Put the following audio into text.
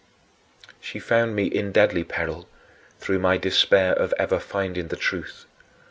She found me in deadly peril through my despair of ever finding the truth.